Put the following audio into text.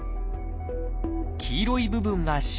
黄色い部分が神経。